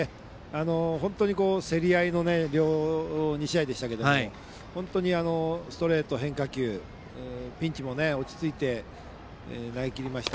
本当に競り合いの２試合でしたけどもストレート、変化球、ピンチも落ち着いて投げきりました。